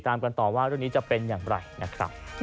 ตามกันต่อว่าเรื่องนี้จะเป็นอย่างไรนะครับ